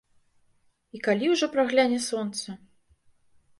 І калі ўжо прагляне сонца?